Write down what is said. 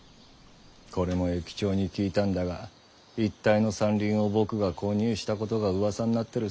これも駅長に聞いたんだが一帯の山林を僕が購入したことがうわさになってるそうだ。